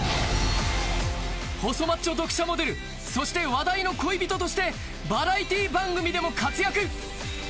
細マッチョ読者モデルそして話題の恋人としてバラエティー番組でも活躍